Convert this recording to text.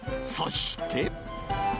そして。